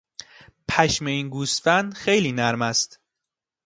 پشم این گوسفند خیلی نرم است.